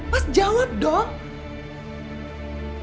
mas jawab dong